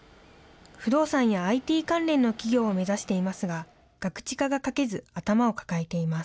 不動産やＩＴ関連の企業を目指していますが、ガクチカが書けず、頭を抱えています。